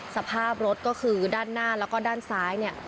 สภาพรถก็คือด้านหน้าแล้วก็ด้านซ้ายเนี่ย